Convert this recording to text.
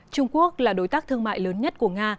trung quốc là đối tác thương mại lớn nhất của nga